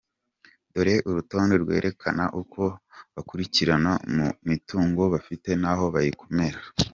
Dore urutonde rwerekana uko bakurikirana mu mitungo bafite n’aho bayikomora.